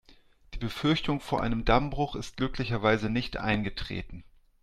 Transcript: Die Befürchtung vor einem Dammbruch ist glücklicherweise nicht eingetreten.